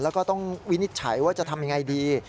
แล้วก็ต้องวินิจฉัยว่าจะทำยังไงดี